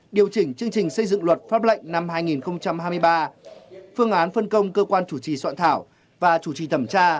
điều chỉnh chương trình xây dựng luật pháp lệnh năm hai nghìn hai mươi ba phương án phân công cơ quan chủ trì soạn thảo và chủ trì thẩm tra